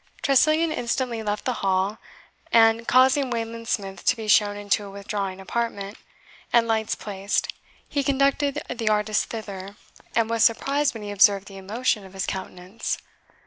Tressilian instantly left the hall, and causing Wayland Smith to be shown into a withdrawing apartment, and lights placed, he conducted the artist thither, and was surprised when he observed the emotion of his countenance.